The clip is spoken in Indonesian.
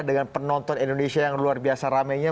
dengan penonton indonesia yang luar biasa ramenya